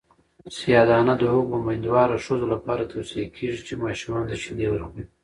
سیاه دانه د هغو میندوارو ښځو لپاره توصیه کیږي چې ماشومانو ته شیدې ورکوي.